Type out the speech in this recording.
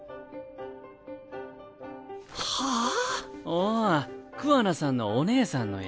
⁉おお桑名さんのお姉さんのや。